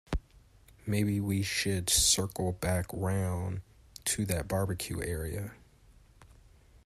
Maybe we should circle back round to that barbecue idea?